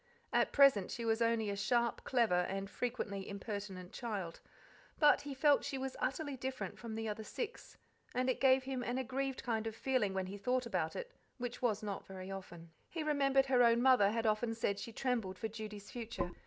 At present she was only a sharp, clever, and frequently impertinent child; but he felt she was utterly different from the other six, and it gave him an aggrieved kind of feeling when he thought about it, which was not very often. He remembered her own mother had often said she trembled for Judy's future.